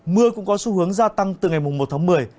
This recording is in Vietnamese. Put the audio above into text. mưa cũng có xu hướng gia tăng từ ngày một tháng một mươi